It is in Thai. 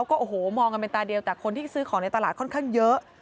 ก็โอ้โหมองกันเป็นตาเดียวแต่คนที่ซื้อของในตลาดค่อนข้างเยอะ